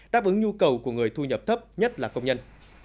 đáp ứng nhu cầu của người thu nhập thấp nhất là công nhân